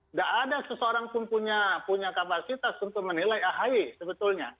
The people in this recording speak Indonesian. nggak ada seseorang pun punya kapasitas untuk menilai ahy sebetulnya